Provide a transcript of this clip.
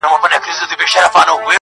• شیطان ګوره چي ایمان په کاڼو ولي,